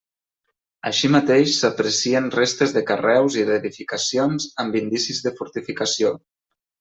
Així mateix s'aprecien restes de carreus i d'edificacions amb indicis de fortificació.